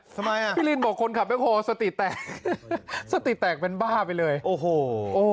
ทำไมอ่ะพี่ลินบอกคนขับแบ็คโฮสติแตกสติแตกเป็นบ้าไปเลยโอ้โห